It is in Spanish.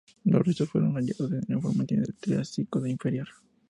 Los restos fueron hallados en formaciones del Triásico Inferior.